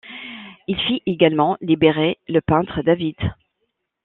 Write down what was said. Il fit également libérer le peintre David.